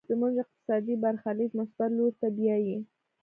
زموږ اقتصادي برخليک مثبت لوري ته بيايي.